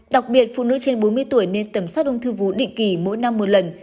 đặc biệt phụ nữ trên bốn mươi tuổi nên tầm soát ung thư vú định kỳ mỗi năm một lần